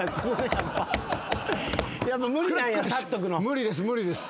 無理です無理です。